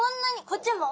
こっちも？